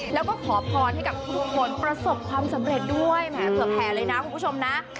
แล้วก็ขอพรให้กับทุกคนประสบความสำเร็จด้วยแหมเผื่อแผลเลยนะคุณผู้ชมนะ